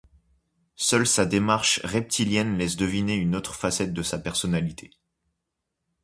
Seule sa démarche reptilienne laisse deviner une autre facette de sa personnalité.